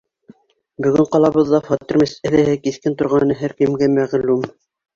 Бөгөн ҡалабыҙҙа фатир мәсьәләһе киҫкен торғаны һәр кемгә мәғлүм.